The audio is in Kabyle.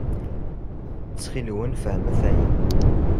Ttxil-wen, fehmet aya.